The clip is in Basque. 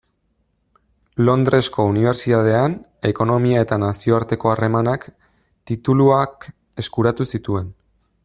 Londresko Unibertsitatean Ekonomia eta Nazioarteko Harremanak tituluak eskuratu zituen.